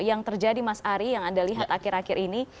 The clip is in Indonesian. yang terjadi mas ari yang anda lihat akhir akhir ini